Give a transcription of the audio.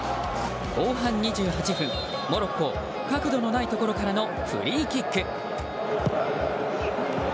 後半２８分、モロッコ角度のないところからのフリーキック。